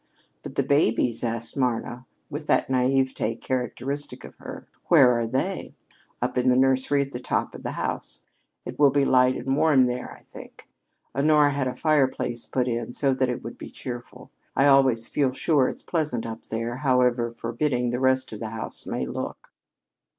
"But the babies?" asked Marna with that naïveté characteristic of her. "Where are they?" "Up in the nursery at the top of the house. It will be light and warm there, I think. Honora had a fireplace put in so that it would be cheerful. I always feel sure it's pleasant up there, however forbidding the rest of the house may look."